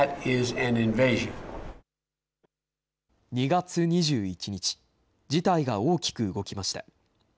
２月２１日、事態が大きく動きました。